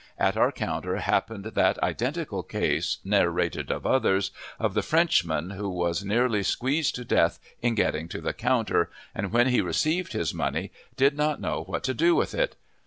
At our counter happened that identical case, narrated of others, of the Frenchman, who was nearly squeezed to death in getting to the counter, and, when he received his money, did not know what to do with it.